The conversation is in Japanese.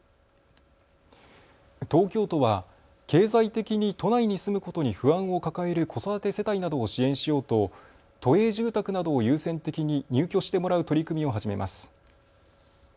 東京都は経済的に都内に住むことに不安を抱える子育て世帯などを支援しようと都営住宅などを優先的に入居してもらう取り組みを始めます。